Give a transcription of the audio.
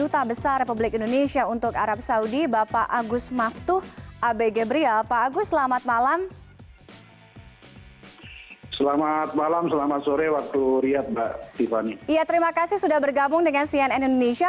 terima kasih sudah bergabung dengan cnn indonesia